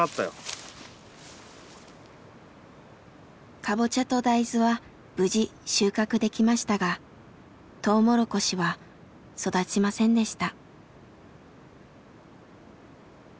カボチャと大豆は無事収穫できましたがトウモロコシは育ちませんでした。